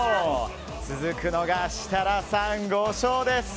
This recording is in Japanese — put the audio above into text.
続くのが設楽さん、５勝です。